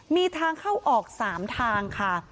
มีทางเข้าออก๓ทางค่ะ